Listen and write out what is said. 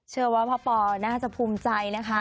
เชื่อว่าพ่อปอน่าจะภูมิใจนะคะ